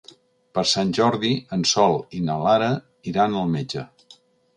Per Sant Jordi en Sol i na Lara iran al metge.